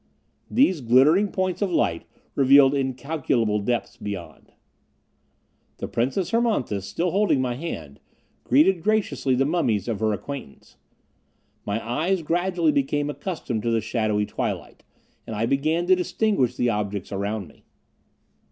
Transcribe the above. These glittering points of light revealed incalculable depths beyond. The Princess Hermonthis, still holding my hand, greeted graciously the mummies of her acquaintance. My eyes gradually became accustomed to the shadowy twilight, and I began to distinguish the objects around me.